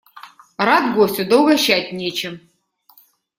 Рад гостю, да угощать нечем.